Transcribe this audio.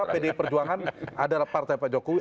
pdi perjuangan adalah partai pak jokowi